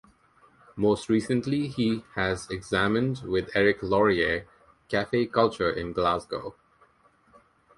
Most recently, he has examined, with Eric Laurier, cafe culture in Glasgow.